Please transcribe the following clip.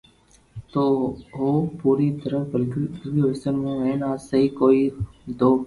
تو ھون پوري طرح گلت ھون ھين آ سھي ڪوئي نو